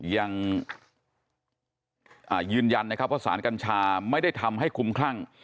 ยังยืนยันนะครับว่าสารกัญชาไม่ได้ทำให้คุ้มคลั่ง